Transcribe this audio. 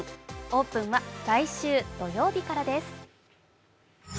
オープンは来週土曜日からです。